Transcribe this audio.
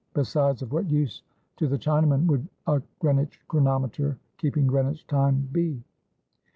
Besides, of what use to the Chinaman would a Greenwich chronometer, keeping Greenwich time, be?